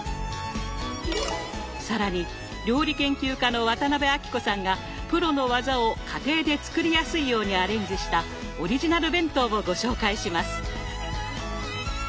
更に料理研究家の渡辺あきこさんがプロの技を家庭で作りやすいようにアレンジしたオリジナル弁当をご紹介します。